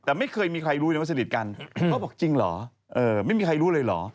แต่ไม่เคยใครรู้ว่าส่วนสนิทชีวีกันเราก็บอกจริงหรอไม่มีใครรู้อะไรเหรอ